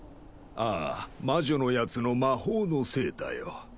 ああ魔女のやつの魔法のせいだよ。